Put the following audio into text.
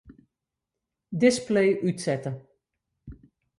Display útsette.